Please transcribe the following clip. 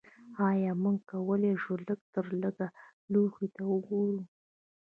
ایا موږ کولی شو لږترلږه لوحې ته وګورو